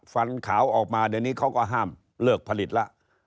ฟันขาวออกมาเดี๋ยวนี้เขาก็ห้ามเลิกผลิตแล้ว